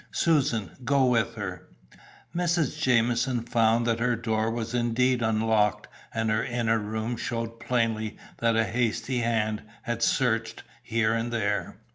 Susan, go with her." Mrs. Jamieson found that her door was indeed unlocked, and her inner room showed plainly that a hasty hand had searched, here and there.